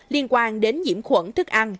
liên quan đến nhiễm khuẩn thức ăn